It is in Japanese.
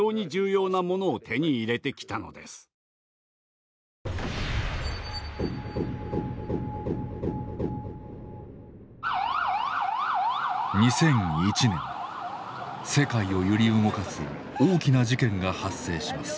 世界を揺り動かす大きな事件が発生します。